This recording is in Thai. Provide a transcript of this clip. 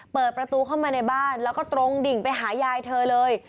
เปิดประตูเข้ามาในบ้านแล้วก็ตรงดิ่งไปหายายเธอเลย